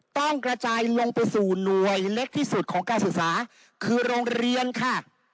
ต้องกระจายลงไปสู่หน่วยเล็กที่สุดของการศึกษาคือโรงเรียนค่ะ